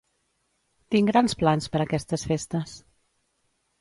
Tinc grans plans per aquestes festes